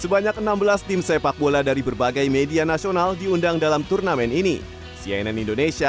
sebanyak enam belas tim sepak bola dari berbagai media nasional diundang dalam turnamen ini cnn indonesia